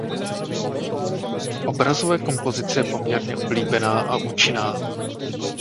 V obrazové kompozici je poměrně oblíbená a účinná.